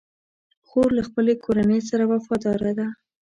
خور له خپلې کورنۍ سره وفاداره ده.